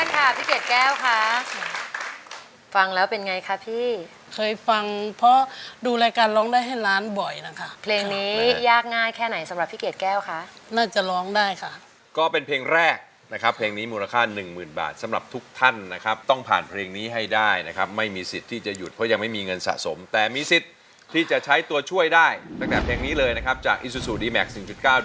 กินโทรเพลงแรกค่ะพี่เกดแก้วค่ะฟังแล้วเป็นไงค่ะพี่เคยฟังเพราะดูรายการร้องได้ให้ล้านบ่อยนะค่ะเพลงนี้ยากง่ายแค่ไหนสำหรับพี่เกดแก้วค่ะน่าจะร้องได้ค่ะก็เป็นเพลงแรกนะครับเพลงนี้มูลค่าหนึ่งหมื่นบาทสำหรับทุกท่านนะครับต้องผ่านเพลงนี้ให้ได้นะครับไม่มีสิทธิ์ที่จะหยุดเพราะยังไม